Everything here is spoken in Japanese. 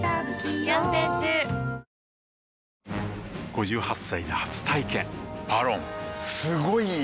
５８歳で初体験「ＶＡＲＯＮ」すごい良い！